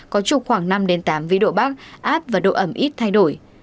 có trục khoảng năm tám vĩ độ bắc áp và độ ẩm ít thay đổi